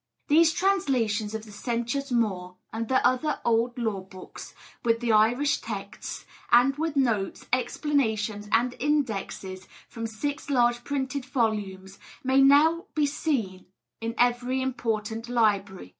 These translations of the Senchus Mór and the other old law books, with the Irish texts, and with notes, explanations, and indexes, form six large printed volumes, which may now be seen in every important library.